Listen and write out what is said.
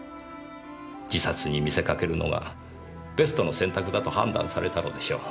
自殺に見せかけるのがベストの選択だと判断されたのでしょう。